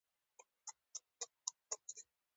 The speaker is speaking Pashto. دوکانداري نشته ټوله ورځ په لاره کسان شمارو.